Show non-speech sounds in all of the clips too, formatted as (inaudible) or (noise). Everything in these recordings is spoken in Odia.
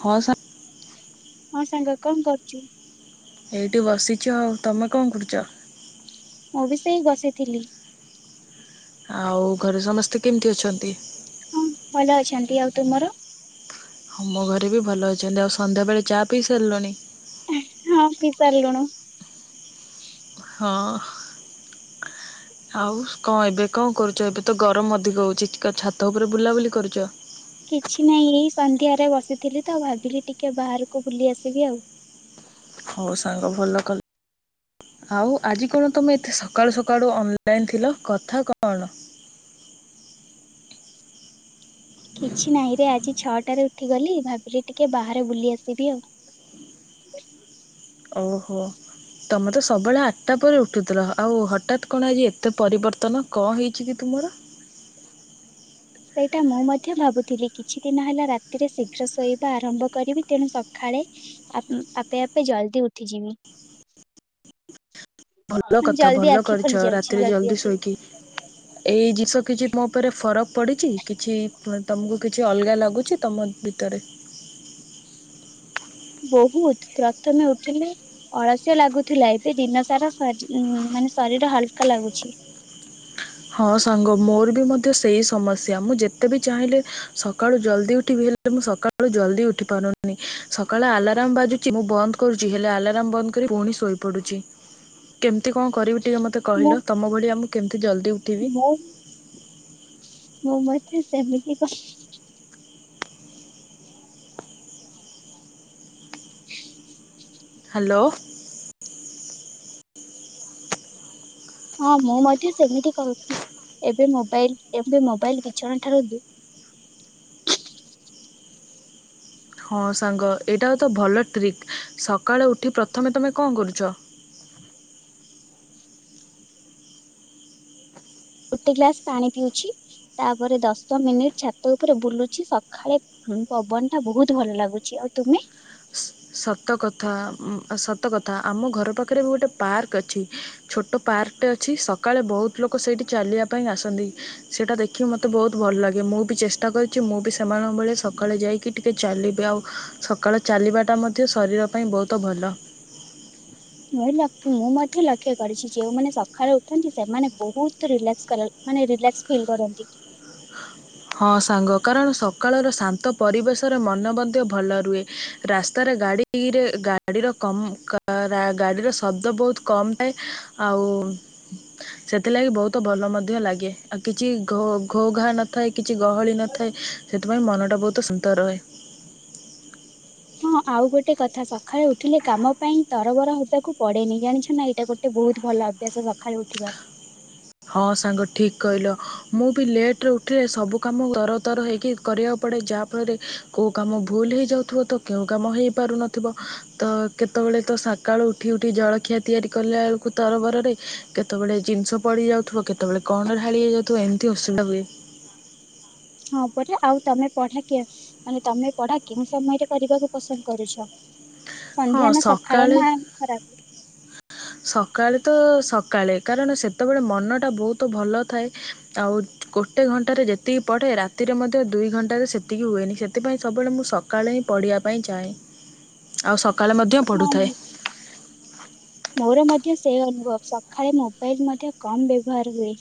ହଁ ସା ହ ସାଙ୍ଗ କଣ କରୁଛୁ? ଏଇଠି ବସିଛ ତମେ କଣ କରଡ଼ଚ ମୁଁ ବି ସେଇ ବସିଥିଲି। ଆଉ ଘରେ ସମସ୍ତେ କେମିତି ଅଛନ୍ତି। ହଁ ଭଲ ଅଛନ୍ତି ଆଉ ତୁମର ହଁ ମୋ ଘରେ ବି ଭଲ ଅଛନ୍ତି ଆଉ ସନ୍ଧ୍ୟାବେଳେ ଚା ପିଇ ସାରିଲୁଣି ଚାଲିଲୁଣ ହଁ ଆଉ କଣ ଏବେ କଣ କରୁଛ ଏବେ ତ ଗରମ ଅଧିକ ହଉଛି ଛାତ ଉପରେ ବୁଲାବୁଲି କରୁଛ। କିଛି ନାହିଁ ଏଇ ସନ୍ଧ୍ୟାରେ ବସିଥିଲି ତ ଭାବିଲି ଟିକେ ବାହାରକୁ ବୁଲି ଆସିବି ଆଉ। ହଉ ସାଙ୍ଗ ଭଲ କଲ ଆଉ ଆଜି କଣ ତମେ ଏତେ ସକାଳୁ ସକାଳୁ ଅନଲାଇନ ଥିଲ କଥା କଣ? କିଛି ନାହିଁରେ ଆଜି ଛଅଟାରେ ଉଠିଗଲି ଭାବିଲି ଟିକେ ବାହାରେ ବୁଲି ଆସିବି ଆଉ। ଓହୋ ତମେ ତ ସବବେଳେ ଆଠଟା ପରେ ଉଠୁଥିଲ ଆଉ ହଠାତ୍ କଣ ଆଜି ଏତେ ପରିବର୍ତ୍ତନ କଣ ହେଇଛି କି ତୁମର? ସେଇଟା ମୁଁ ମଧ୍ୟ ଭାବୁଥିଲି କିଛି ଦିନ ହେଲା ରାତିରେ ଶୀଘ୍ର ଶୋଇବା ଆରମ୍ଭ କରିବି ତେଣୁ ସକାଳେ ଆପେ ଆପେ ଜଲ୍ଦି ଉଠିଯିବି? ଭଲ ମାନେ କଥା ଜଲ୍ଦି ଭଲ ଆଖି ଖୋଲି କରିଛ ଯାଉଛି ରାତିରେ ଜଲ୍ଦି ଶୋଇକି ଏଇ ଜିନିଷ କିଛି ମୋ ଉପରେ ଫରକ ପଡ଼ିଛି କିଛି ତମକୁ କିଛି ଅଲଗା ଲାଗୁଛି ତମ ଭିତରେ ବହୁତ ପ୍ରଥମେ ଉଠିଲେ ଅଳସ୍ୟଆ ଲାଗୁଥିଲା ଏବେ ଦିନ ସାରା ମାନେ ଶରୀର ହାଲକା ଲାଗୁଛି। ହଁ ସାଙ୍ଗ ମୋର ବି ମଧ୍ୟ ସେଇ ସମସ୍ୟା ମୁଁ ଯେତେବି ଚାହିଁଲେ ସକାଳୁ ଜଲ୍ଦି ଉଠିବି ହେଲେ ମୁଁ ସକାଳୁ ଜଲ୍ଦି ଉଠି ପାରୁନି ସକାଳୁ ଆଲାର୍ମ ବାଜୁଛି ମୁଁ ବନ୍ଦ କରୁଛି ହେଲେ ଆଲାର୍ମ ବନ୍ଦ କରି ପୁଣି ଶୋଇପଡ଼ୁଛି କେମିତି କଣ କରିବି ଟିକେ ମତେ ମୁଁ କହିଲ ତମ ଭଳି ଆମକୁ କେମିତି ଜଲଦି ଟିଭିି ମୋ ମତେ ସେମିତି କ ହାଲୋ ହଁ ମୁଁ ମଧ୍ୟ ସେମିତି କରୁଛିି ଏବେ ମୋବାଇଲ ଏବେ ମୋବାଇଲ ବିଛଣା ଠାରୁ ଦୁ ହଁ ସାଙ୍ଗ ଏଇଟା ହ ତ ଭଲ ଟ୍ରିକ୍ ସକାଳେୁ ଉଠି ପ୍ରଥମେ ତମେ କଣ କରୁଛ। ଗୋଟେ ଗ୍ଲାସ ପାଣି ପିଉଛି ତାପରେ ଦଶ ମିନିଟ ଛାତ ଉପରେ ବୁଲୁଛି ସକାଳେ ପବନ ଟା ବହୁତ ଭଲ ଲାଗୁଛି ଆଉ ତମେ ସତକଥା ସତକଥା ଆମ ଘର ପାଖରେ ଗୋଟେ ପାର୍କ ଅଛି ଛୋଟ ପାର୍କଟେ ଅଛି ସକାଳେ ବହୁତ ଲୋକ ସେଇଠି ଚାଲିବା ପାଇଁ ଆସନ୍ତି ସେଇଟା ଦେଖିକି ମୋତେ ବହୁତ ଭଲ ଲାଗେ ମୁଁ ବି ଚେଷ୍ଟା କରିଛି ମୁଁ ବି ସେମାନଙ୍କ ବଳେ ସକାଳେ ଯାଇକି ଟିକେ ଚାଲିବି ଆଉ ସକାଳେ ଚାଲିବାଟା ମୋତେ ତ ଶରୀର ପାଇଁ ବହୁତ ଭଲ ମୁ ମୁଁ ମଧ୍ୟ ଲକ୍ଷ୍ୟ କରିଛି ଯେୋଉମାନେ ସକାଳେୁ ଉଠନ୍ତି ସେମାନେ ବହୁତିଲାକ୍ ମାନ ରିଲାକ୍ ଫିଲ୍ କରନ୍ତି। ହଁ ସାଙ୍ଗ କାରଣ ସକାଳର ଶାନ୍ତ ପରିବେଶରେ ମନ ମଧ୍ୟ ଭଲ ରୁହେ ରାସ୍ତାରେ ଗାଡ଼ିରେ ଗାଡ଼ିର କ ଗାଡ଼ିର ଶବ୍ଦ ବହୁତ କମ୍ ଥାଏ ଆଉ ସେଥିଲାଗି ବହୁତ ଭଲ ମଧ୍ୟ ଲାଗେ ଆଉ କିଛି ଘ ଘୋ ଘା ନ ଥାଏ କିଛି ଗହଳି ନଥାଏ ସେଥିପାଇଁ ମନଟା ବହୁତ ସୁନ୍ଦର ରୁହେ। ହଁ ଆଉ ଗୋଟେ କଥା ସକାଳେୁ ଉଠିଲେ କାମ ପାଇଁ ତରବର ହବାକୁ ପଡେନି ଜାଣିଛ ନା ଏଇଟା ଗୋଟେ ବହୁତ ଭଲ ଅଭ୍ୟାସ ସକାଳେୁ ଉଠିବାର ହଁ ସାଙ୍ଗ ଠିକ୍ କହିଲ ମୁଁ ବି ଲେଟ୍ରରେ ଉଠିଲେ ସବୁ କାମ ତର ତର ହେଇକି କରିବାକୁ ପଡ଼େ ଯାହା ଫଳରେ କେଉଁ କାମ ଭୁଲ ହେଇଯାଉଥିବ ତ କେଉଁ କାମ ହେଇପାରୁନଥିବ ତ କେତେବେଳେ ତ ସକାଳୁ ଉଠି ଉଠି ଜଳଖିଆ ତିଆରି କଲା ବେଳକୁ ତରବରରେ କେତେବେଳେ ଜିନିଷ ପଡି ଯାଉଥିବ କେତେବେଳେ କଣ ଢାଳି ହେଇଯାଉଥିବ ଏମିତି ଅସୁବିଧା ହୁଏ। ହଁ ପଟେ ଆଉ ତମେ ପଢା କେ ମାନେ ତମେ ପଢା କେଉଁ ସମୟରେ କରିବାକୁ ପସନ୍ଦ କରୁଛ। ହଁ ସନ୍ଧ୍ୟା ନା ସକାଳ ସକାଳେ ନା ଖରାକୁ? ସକାଳେ ତ ସକାଳେ କାରଣ ସେତେବେଳେ ମନଟା ବହୁତ ଭଲ ଥାଏ ଆଉ ଗୋଟେ ଘଣ୍ଟାରେ ଯେତିକି ପଢ଼େ ରାତିରେ ମଧ୍ୟ ଦୁଇ ଘଣ୍ଟାରେ ସେତିକି ହୁଏନି ସେଥିପାଇଁ ସବୁବେଳେ ମୁଁ ସକାଳେ ହିଁ ପଢ଼ିବା ପାଇଁ ଚାହେଁ। ଆଉ ସକାଳେ ମଧ୍ୟ ହଁ ପଢ଼ୁଥାଏ। (inaudible) ମୋର ମଧ୍ୟ ସେ ଅନୁଭବ ସକାଳେ ମୋବାଇଲ ମଧ୍ୟ କମ୍ ବ୍ୟବହାର ହୁଏ।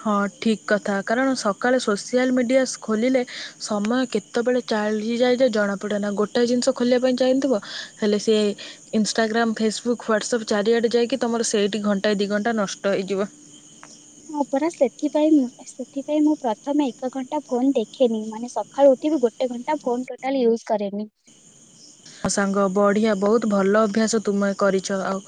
ହଁ ଠିକ୍ କଥା କାରଣ ସକାଳେ ସୋସିଆଲ ମିଡ଼ିଆ ଖୋଲିଲେ ସମୟ କେତେବେଳେ ଚାଲିଯାଏ ଯେ ଜଣାପଡ଼େ ନା ଗୋଟାଏ ଜିନିଷ ଖୋଲିବା ପାଇଁ ଚାହିଁଥିବ ହେଲେ ସେ ଇନଷ୍ଟାଗ୍ରାମ୍ ଫେସବୁକ ୱାସାପ ଚାରିଆଡ଼େ ଯାଇକି ତୁମର ସେଇଠି ଘଣ୍ଟାଏ ଦୁିଇ ଘଣ୍ଟା ନଷ୍ଟ ହେଇଯିବ। ହଁ ପରା ସେଥିପାଇଁ ସେଥିପାଇ ମୁଁ ପ୍ରଥମେ ଏକ ଘଣ୍ଟା ଫୋନ ଦେଖେନି। ମାନେ ସକାଳୁ ଉଠିବି ଗୋଟେ ଘଣ୍ଟା ଟୋଟାଲୀ ଫୋନ୍ ୟୁଜ କରେନି। ମୋ ସାଙ୍ଗ ବଢ଼ିଆ ବହୁତ ଭଲ ଅଭ୍ୟାସ ତୁମେ କରିଛ ଆଉ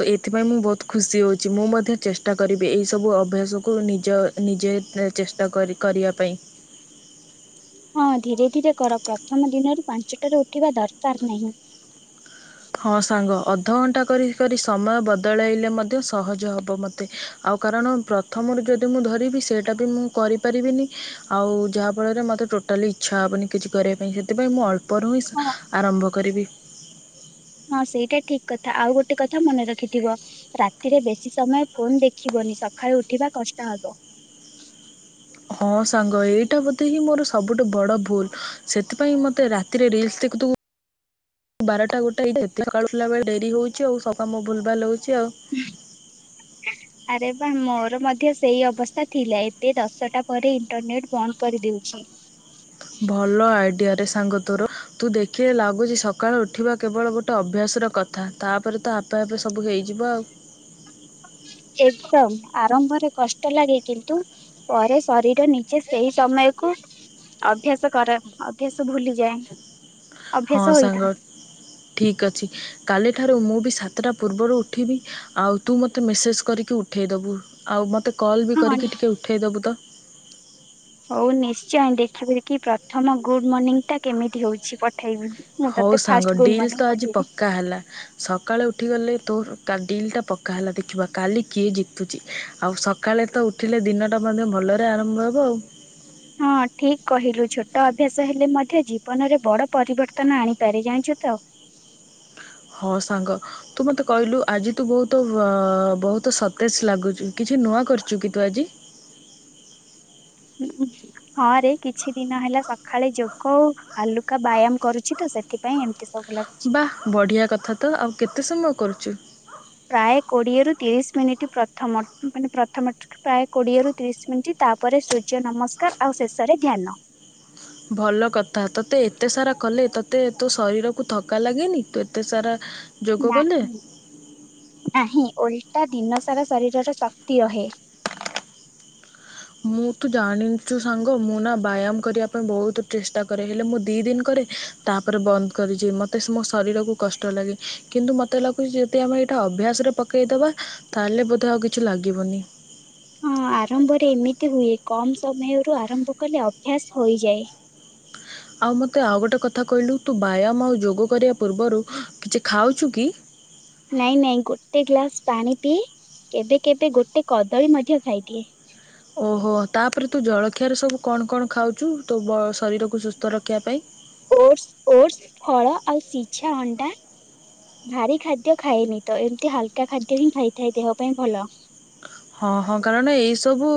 ତ ଏଥିପାଇଁ ମୁଁ ବହୁତ ଖୁସି ହେଉଛି। ମୁଁ ମଧ୍ୟ ଚେଷ୍ଟା କରିବି ଏଇସବୁ ଅଭ୍ୟାସକୁ ନିଜ ନିଜେ ଚେଷ୍ଟା କରି କରିବା ପାଇଁ ହଁ ଧୀରେ ଧୀରେ କର ପ୍ରଥମ ଦିନରୁ ପାଞ୍ଚଟାରୁ ଉଠିବା ଦରକାର ନାହିଁ। ହଁ ସାଙ୍ଗ ଅ ଅଧଘଣ୍ଟା କରି କରି ସମୟ ବଦଳାଇଲେ ମଧ୍ୟ ସହଜ ହେବ ମୋତେ ଆଉ କାରଣ ପ୍ରଥମରୁ ଯଦି ମୁଁ ଧରିବି ସେଇଟା ବି ମୁଁ କରିପାରିବିନି ଆଉ ଯାହାଫଳରେ ମୋତେ ଟୋଟାଲି ଇଚ୍ଛା ହେବନି କିଛି କରିବା ପାଇଁ ସେଥିପାଇଁ ମୁଁ ଅଳ୍ ଉପରୁ ହିଁ ହଁ ଆରମ୍ଭ କରିବି। ହଁ ସେଇଟା ଠିକ କଥା ଆଉ ଗୋଟେ କଥା ମନେ ରଖିଥିବ ରାତିରେ ବେଶୀ ସମୟ ଫୋନ ଦେଖିବନି ସକାଳୁ ଉଠିବା କଷ୍ଟ ହବ। ହଁ ସାଙ୍ଗ ଏଇଟା ବୋଧେ ହିଁ ମୋର ସବୁଠୁ ବଡ ଭୁଲ ସେଥିପାଇଁ ମତେ ରାତିରେ ରିଲସ ଦେଖୁଥିବ ବାରଟା ଗୋଟଏକାଳୁ ବେଳେ ଡେରି ହଉଛି ଆଉ ସାମ ଭୁଲ ଭୁ ଲହଉଛି। ଆରେ ବା ମୋର ମଧ୍ୟ ସେଇ ଅବସ୍ଥା ଥିଲା ଏବେ ଦଶଟା ପରେ ଇଣ୍ଟରନେଟ ବନ୍ଦ କରିଦଉଛି। ଭଲ ଆଇଡିଆରେ ସାଙ୍ଗ ତର ତୁ ଦେଖିଲେ ଲାଗୁଚ ସକାଳୁ ଉଠିବା କେବଳ ଗୋଟେ ଅଭ୍ୟାସର କଥା ତାପରେ ତ ଆପେ ଆପେ ସବୁ ହେଇଯିବ ଆଉ ଏକଦମ ଆରମ୍ଭରେ କଷ୍ଟ ଲାଗେ କିନ୍ତୁ ପରେ ଶରୀର ନିଜେ ସେଇ ସମୟ କୁ ଅଭ୍ୟାସ କର ଅଭ୍ୟାସ ଭୁଲିଯାଏ। ହଁ ଅଭ୍ୟାସ ସାଙ୍ଗ ହୋଇଥାଏ ଠିକ ଅଛି କାଲି କାଲି ଠାରୁ ମୁଁ ବି ସାତଟା ପୂର୍ବରୁ ଉଠିବି। ଆଉ ତୁ ମୋତେ ମେସେଜ୍ କରିକି ଉଠାଇ ଦେବୁ ଆଉ ମୋତେ କଲ୍ ବି ହଁ। କରିକି ଟିକେ ଉଠେଇଦବୁ ତ (inaudible) ହଉ ନିଶ୍ଚୟ ଦେଖିବି ଦେଖି ପ୍ରଥମ ଗୁଡ ମର୍ଣ୍ଣିଂ ଟା କେମିତି ହଉଛି ପଠେଇବି। ମୁଁ ହଉ ତତେ ଫାଷ୍ଟ ସାଙ୍ଗ ଗୁଡ ଡିଲ୍ ମର୍ଣ୍ଣିଂ ତ ଆଜି ପଠେଇବି। ପକ୍କା ହେଲା ସକାଳେ ଉଠି ଗଲେ ତୋ ଡିଲ୍ ଟା ପକ୍କା ହେଲା ଦେଖିବା କାଲି କିଏ ଜିତୁଛି ଆଉ ସକାଳେ ତ ଉଠିଲେ ଦିନଟା ମଧ୍ୟ ଭଲରେ ଆରମ୍ଭ ହେବ ଆଉ ହଁ ଠିକ କହିଲୁ ଛୋଟ ଅଭ୍ୟାସ ହେଲେ ମଧ୍ୟ ଜୀବନରେ ବଡ ପରିବର୍ତ୍ତନ ଆଣିପାରେ ଜାଣିଛୁ ତ ହଁ ସାଙ୍ଗ ତୁ ମତେ କହିଲୁ ଆଜି ତୁ ବହୁତ ବହୁତ ସତେଜ ଲାଗୁଛୁ କିଛି ନୂଆ କରିଛୁ କି ତୁ ଆଜି ହୁଁ ହଁରେ କିଛି ଦିନ ହେଲା ସଖାଳେ ଯୋଗ ଆଉ ହାଲୁକା ବ୍ୟାୟାମ କରୁଛି ତ ସେଥିପାଇଁ ଏମିତି ସବୁ ଲାଗୁଛି। ବା ବଢିଆ କଥା ତ ଆଉ କେତେ କେତେ ସମୟ କରୁଛୁ? ପ୍ରାୟ କୋଡିଏରୁ ତିରିଶ ମିନିଟ ମାନେ ପ୍ରଥମ ପ୍ରାୟ କୋଡିଏରୁ ତିରିଶ ମିନିଟ୍ ତାପରେ ସୂର୍ଯ୍ୟ ନମସ୍କାର ଆଉ ଶେଷରେ ଧ୍ୟାନ। ଭଲ କଥା ତୋତେ ଏତେ ସାରା କଲେ ତତେ ତୋ ଶରୀରକୁ ଥକା ଲାଗେନି ତୁ ଏତେ ସାରା ଯୋଗ କଲେ ନାଁ ନାହିଁ ଓ ଦିନ ସାରା ଶରୀରର ଶକ୍ତି ରହେ ମୁଁ ତୁ ଜାଣିନି । ଛୁ ସାଙ୍ଗ ମୁଁ ନା ବ୍ୟାୟାମ କରିବା ପାଇଁ ବହୁତ ଚେଷ୍ଟା କରେ ହେଲେ ମୁଁ ଦୁଇ ଦିନ କରେ ତାପରେ ବନ୍ଦ କରିଛି ମୋତେ ମୋ ଶରୀରକୁ କଷ୍ଟ ଲାଗେ କିନ୍ତୁ ମୋତେ ଲାଗୁଛି ଯଦି ଆମେ ଏଇଟା ଅଭ୍ୟାସରେ ପକାଇଦେବା ତାହେଲେ ବୋଧେ ଆଉ କିଛି ଲାଗିବନି ହଁ ଆରମ୍ଭରେ ଏମିତି ହୁଏ କମ ସମୟରୁ ଆରମ୍ଭ କଲେ ଅଭ୍ୟାସ ହୋଇଯାଏ। ଆଉ ମୋତେ ଆଉ ଗୋଟେ କଥା କହିଲୁ ତୁ ବ୍ୟାୟାମ ଆଉ ଯୋଗ କରିବା ପୂର୍ବରୁ କିଛି ଖାଉଛୁ କି ନାଇଁ ନାଇଁ ଗୋଟେ ଗ୍ଲାସ ପାଣି ପିଏ କେବେ କେବେ ଗୋଟେ କଦଳୀ ମଧ୍ୟ ଖାଇଦିଏ ଓହୋ ତାପରେ ତୁ ଜଳଖିଆର ସବୁ କଣ କଣ ଖାଉଛୁ ତୋ ଶରୀରକୁ ସୁସ୍ଥ ରଖିବା ପାଇଁ ଓଟସ ଓଟସ ଫଳ ଆଉ ସିଝା ଅଣ୍ଡା ଭାରି ଖାଦ୍ୟ ଖାଏନି ତ ଏମିତି ହାଲକା ଖାଦ୍ୟ ହିଁ ଖାଇଥାଏ ଦେହ ପାଇଁ ଭଲ। ହଁ ହଁ କାରଣ ଏଇସବୁ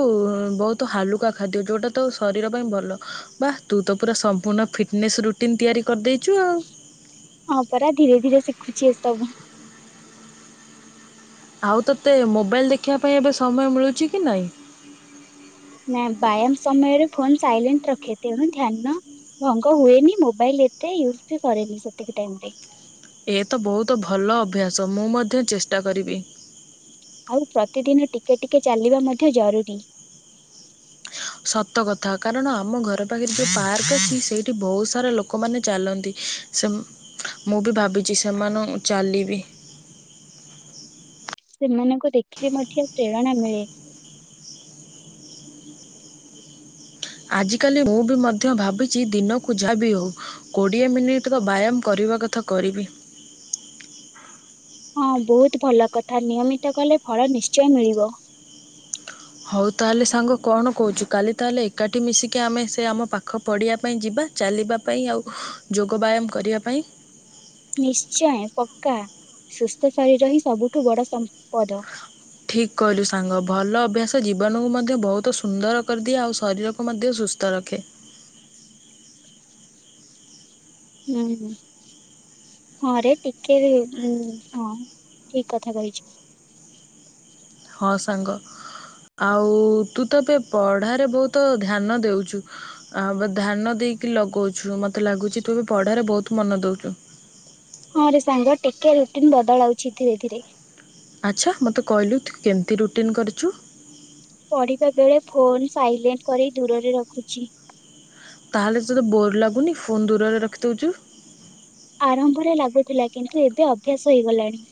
ବହୁତ ହାଲୁକା ଖାଦ୍ୟ ଯେଉଁଟା ତ ଶରୀର ପାଇଁ ଭଲ ବା ତୁ ତ ପୁରା ସମ୍ପୂର୍ଣ୍ଣ ଫିଟନେସ୍ ରୁଟିନ୍ ତିଆରି କରିଦେଇଛୁ ଆଉ ହଁ ପରା ଧୀରେ ଧୀରେ ସିଖୁଛି ଏସବୁ ଆଉ ତୋତେ ମୋବାଇଲ୍ ଦେଖିବା ପାଇଁ ଏବେ ସମୟ ମିଳୁଛି କି ନାହିଁ ନା ବ୍ୟାୟାମ ସମୟରେ ଫୋନ ସାଇଲେଣ୍ଟ ରଖେ ତେଣୁ ଧ୍ୟାନ ଭଙ୍ଗ ହୁଏନି ମୋବାଇଲ ଏତେ ୟୁଜ ବି କରେନି ସେତିକ ଟାଇମରେ ଏ ତ ବହୁତ ଭଲ ଅଭ୍ୟାସ ମୁଁ ମଧ୍ୟ ଚେଷ୍ଟା କରିବି ଆଉ ପ୍ରତିଦିନ ଟିକେ ଟିକେ ଚାଲିବା ମଧ୍ୟ ଜରୁରୀ ସତ କଥା କାରଣ ଆମ ଘର ପାଖରେ ଯେଉଁ ପାର୍କ ଅଛି ସେଇଠି ବହୁତ ସାରା ଲୋକମାନେ ଚାଲନ୍ତି ସେ ମୁଁ ବି ଭାବିଛି ସେମାନଙ୍କୁ ଚାଲିବି ସେମାନଙ୍କୁ ଦେଖିଲି ମଧ୍ୟ ପ୍ରେରଣା ମିଳେ। ଆଜିକାଲି ମୁଁ ବି ମଧ୍ୟ ଭାବିଛି ଦିନକୁ ଯାହା ବିି ହଉ କୋଡ଼ିଏ ମିନିଟର ବ୍ୟାୟାମ କରିବା କଥା କରିବି ହଁ ବହୁତ ଭଲ କଥା ନିୟମିତ କଲେ ଭଳ ନିଶ୍ଚୟ ମିଳିବ। ହଉ ତାହେଲେ ସାଙ୍ଗ କଣ କହୁଛୁ କାଲି ତାହେଲେ ଏକାଠି ମିଶିକି ଆମେ ସେ ଆମ ପାଖ ପ଼ିବା ପାଇଁ ଯିବା ଚାଲିବା ପାଇଁ ଆଉ ଯୋଗ ବ୍ୟାୟାମ କରିବା ପାଇଁ ନିଶ୍ଚୟ ପକ୍କା ସୁସ୍ଥ ଶରୀର ହିଁ ସବୁଠୁ ବଡ ସମ୍ପଦ ଠିକ କହିଲୁ ସାଙ୍ଗ ଭଲ ଅଭ୍ୟାସ ଜୀବନକୁ ମଧ୍ୟ ବହୁତ ସୁନ୍ଦର କରିଦିଏ ଆଉ ଶରୀରକୁ ମଧ୍ୟ ସୁସ୍ଥ ରଖେ (unintelligible) ହୁଁ ହଁରେ ଟିକେ ହଁ ଠିକ କଥା କହିଛ। ହଁ ସାଙ୍ଗ ଆଉ ତୁ ତ ଏବେ ପଢ଼ାରେ ବହୁତ ଧ୍ୟାନ ଦେଉଛୁ ଆ ଧ୍ୟାନ ଦେଇକି ଲଗାଉଛୁ ମତେ ଲାଗୁଛି ତୁ ଏବେ ପଢ଼ାରେ ବହୁତ ମନ ଦେଉଛୁ। ହଁ ରେ ସାଙ୍ଗ ଟିକେ ରୁଟିନ ବଦଳାଉଛି ଧୀରେ ଧୀରେ ଆଚ୍ଛା ମୋତେ କହିଲୁ ତୁ କେମିତି ରୁଟିନ୍ କରିଛୁ। ପଢିବା ବେଳେ ଫୋନ୍ ସାଇଲେଣ୍ଟ କରି ଦୂରରେ ରଖୁଛି। ତାହେଲେ ତତେ ବୋର୍ ଲାଗୁନି ଫୋନ୍ ଦୂରରେ ରଖିଦେଉଛୁ। ଆରମ୍ଭରେ ଲାଗୁଥିଲା କିନ୍ତୁ ଏବେ ଅଭ୍ୟାସ ହେଇଗଲାଣି।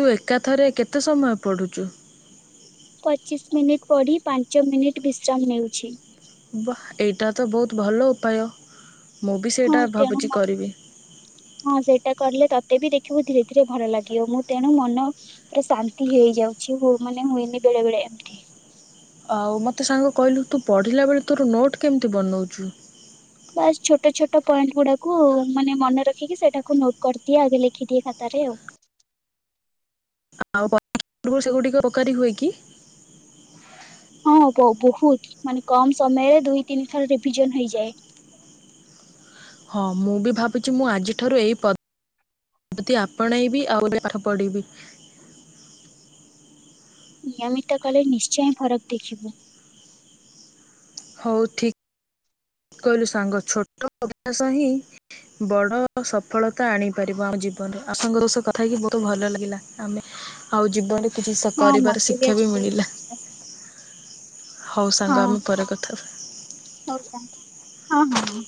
ତୁ ଏକାଥରେ କେତେ ସମୟ ପଡ଼ୁଛୁ ପଚିଶ ମିନିଟ ପଡି ପାଞ୍ଚ ମିନିଟ ବିଶ୍ରାମ ନେଉଛି ବାଃ ଏଇଟା ତ ବହୁତ ଭଲ ଉପାୟ ମୁଁ ବି ହଁ ସେଇଟା ତେଣୁ ଭାବୁଛି କରିବି ହଁ ସେଇଟା କଲେ ତତେ ବି ଦେଖ। ଦେଖିବୁ ଧୀରେ ଧୀରେ ଭଲ ଲାଗିବ ମୁଁ ତେଣୁ ମନ ପୁରା ଶାନ୍ତି ହେଇଯାଉଛି ମାନେ ହୁଏନି ବେଳେ ବେଳେ ଏମତି। ଆଉ ମୋତେ ସାଙ୍ଗ କହିଲୁ ତୁ ପଢ଼ିଲା ବେଳେ ତୋର ନୋଟ୍ କେମିତି ବନଉଛୁ ବାସ୍ ଛୋଟ ଛୋଟ ପଏଣ୍ଟ ଗୁଡାକୁ ମାନେ ମନେ ରଖିକି ସେଟାକୁ ନୋଟ କରିଦିଏ ଆଗ ଲେଖିଦିଏ ଖାତାରେ ଆଉ ଆଉ ପୂବରୁ ସେଗୁଡିକ ଉପକାରୀ ହୁଏ କି ହଁ ବ ବହୁତ ମାନେ କମ ସମୟରେ ଦୁଇ ତିନି ଥର ରିଭିଜନ ହେଇଯାଏ। ହଁ ମୁଁ ବି ଭାବୁଛି ମୁଁ ଆଜିଠାରୁ ଏଇ ପଦ୍ଧତି ଆପଣେଇବି ଆଉ ଏବେ ପାଠ ପଢିବି। ନିୟମିତ କଲେ ନିଶ୍ଚୟ ଫରକ ଦେଖିବୁ। ହଉ ଠିକ କହିଲୁ ସାଙ୍ଗ ଛୋଟ ଅଭ୍ୟାସ ହିଁ ବଡ ସଫଳତା ଆଣିପାରିବ ଆମ ଜୀବନରେ ଆପଣଙ୍କ ସହ କଥା ହେଇକି ବହୁତ ଭଲ ଲାଗିଲା ଆମେ ଆଉ ଜୀବନରେ କିଛି ସ ହଁ କରିବାର ମତେ ଶିକ୍ଷା ଆଜି ବି ମିଳିଲା। ବହୁତ ହଉ ହଁ ସାଙ୍ଗ ଆମେ ପରେ କଥା ହଉ ହବା। ସାଙ୍ଗ ହଁ ହଁ ହଁ।